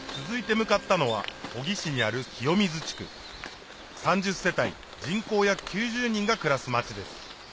続いて向かったのは小城市にある清水地区３０世帯人口約９０人が暮らす町です